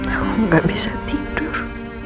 aku gak bisa tidur